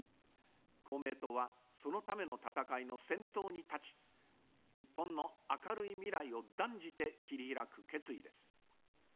公明党は、そのための闘いの先頭に立ち、日本の明るい未来を断じて切り開く決意です。